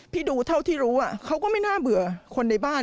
ดูเท่าที่รู้เขาก็ไม่น่าเบื่อคนในบ้าน